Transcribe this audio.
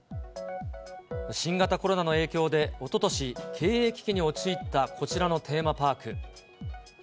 新型コロナの影響でおととし、経営危機に陥ったこちらのテーマパーク。